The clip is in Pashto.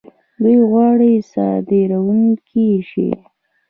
دوی غواړي صادرونکي شي.